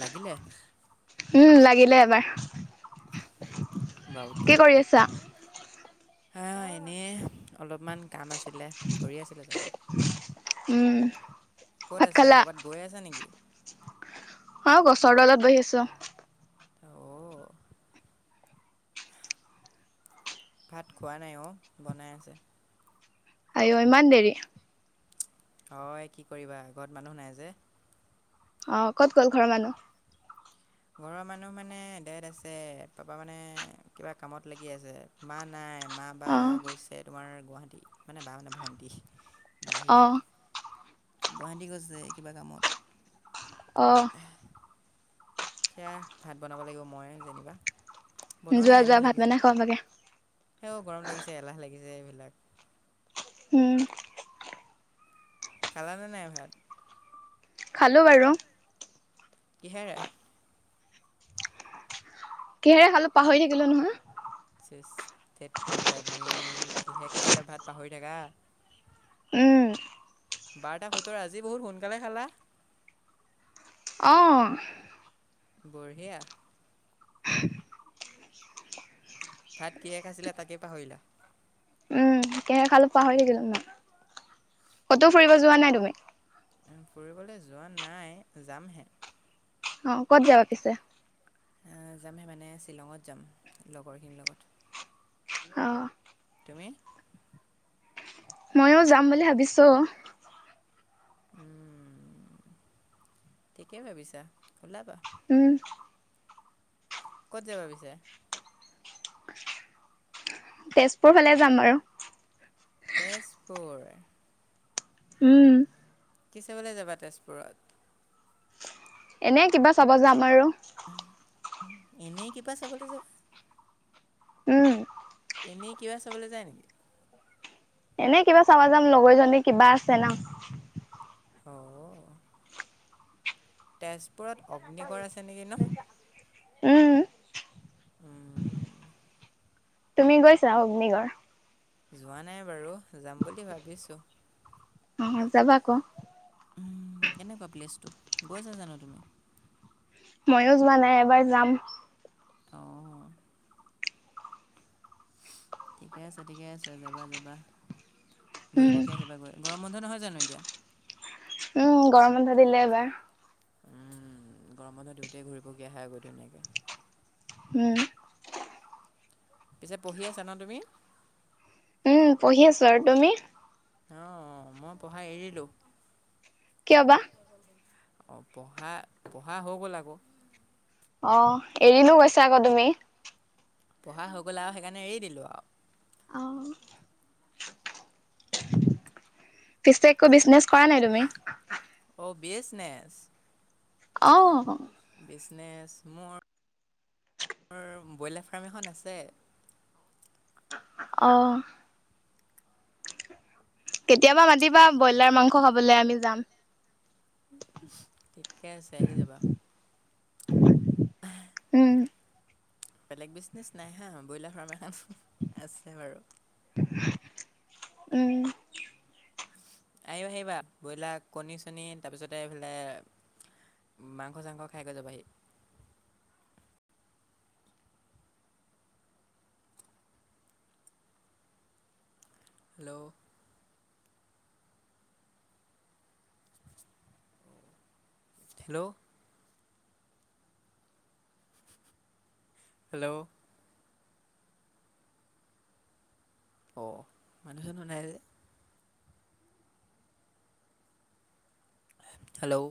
লাগিলে উম, লাগিলে এবাৰ। বাৰুকে কি কৰি আছা? হা, এনেই অলপমান কাম আছিলে, কৰি আছিলে চাগে। উম। ক'ত ভাত আছা? খালা কবাত গৈ আছা নেকি? অ, গছৰ তলত বহি আছোঁ অ'। ভাত খোৱা নাই অ। বনাই আছে। আই ঐ, ইমান দেৰি? হয়, কি কৰিবা ঘৰত মানুহ নাই যে অ, ক'ত গ'ল ঘৰৰ মানুহ? ঘৰৰ মানুহ মানে দেড আছে, পাপা মানে কিবা কামত লাগি আছে, মা নাই। মা, বা অ গৈছে তোমাৰ গুৱাহাটী, মানে বা মানে ভণ্টি। বা অ আহিছে, গুৱাহাটী গৈছে কিবা কামত। অহ। সেয়া, ভাত বনাব লাগিব মই যেনিবা, বনোৱা নাই, যোৱা যোৱা এলাহ ভাত লাগিছে। বনাই খাব লাগে সেইয়া, গৰম লাগিছে, এলাহ লাগিছে, এইবিলাক। উম। খালানে নাই ভাত? খালো বাৰু। কিহেৰে? কিহেৰে খালো পাহৰি থাকিলো নহয় চেছ, ধেট কৰিলা তুমি, কিহেৰে খাইছিলা ভাত পাহৰি থাকা উম বাৰটা সোতৰ আজি বহুত সোনকালে খালা? অ। বঢ়িয়া ভাত কিহে খাইছিলা তাকেই পাহৰিলা। উম কিহেৰে খালো পাহৰি থাকিলো। কতো ফুৰিব যোৱা নাই তুমি? ফুৰিবলে যোৱা নাই, যামহে অ, ক'ত যাবা পিছে? অ যামে মানে শ্বিলঙত যাম, লগৰখিনিৰ লগত অ, তুমি ময়ো যাম বুলি ভাবিছোঁ। উম, ঠিকেই ভাবিছা ওলাবা উম, ক'ত যাবা পিছে? তেজপুৰ ফালে যাম বাৰু। তেজপুৰ। হম, কি চাবলে যাবা তেজপুৰত? এনে কিবা চাব যাম আৰু। এনেই কিবা চাবলে যা উম, এনেই কিবা চাবলে যায় নেকি? এনে কিবা চাবা যাম, লগৰ জনী কিবা আছে না অঁ, তেজপুৰত অগ্নিগড় আছে নেকি ন? উম, উম, তুমি গৈছা অগ্নিগড়? যোৱা নাই বাৰু যাম বুলি ভাবিছোঁ। অ, যাবা ক। হম, কেনেকুৱা প্লেচটো গৈছা জানো তুমি? ময়ো যোৱা নাই এবাৰ যাম। অ, ঠিকে আছে ঠিকে আছে যাবা যাবা, উম ঘূৰিপকি আহিবা গৈ গৰম বন্ধ নহয় জানো এতিয়া? উম, গৰম বন্ধ দিলে এবাৰ উম, গৰম বন্ধ দিওঁতে ঘূৰিপকী আহাগৈ ধুনীয়াকৈ। উম, পিছে পঢ়ি আছা ন তুমি? উম, পঢ়ি আছো আৰু তুমি? অ, মই পঢ়া এৰিলো। কিয় বা? অ, পঢ়া-পঢ়া হৈ গ'ল আক। অ, এৰিলো কৈছা আক তুমি। পঢ়া হৈ গ'ল আৰু সেইকাৰণে এৰি দিলো আও। অঁ। পিছে একো বিজনেছ কৰা নাই তুমি? অ, বিচনেচ? অ, বিজনেছ মোৰ, ব্ৰইলাৰ ফাৰ্ম এখন আছে। অ, কেতিয়াবা মাতিবা ব্ৰইলাৰ মাংস খাবলে আমি যাম। [unintelligible] ঠিকে আছে আহি যাবা। উম'। বেলেগ বিজনেচ নাই হা, ব্ৰইলাৰ ফাৰ্ম এখন আছে বাৰু। উম আহিবা আহিবা ব্ৰইলাৰ কণী চণী তাৰপিছতে এইফালে মাংস চাংস খাই কৈ যাবাহি। হেল্ল হেল্ল হেল্ল অ' মানুহ চানুহ নাই যে হেল্ল